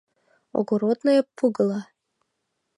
Огородное пугало!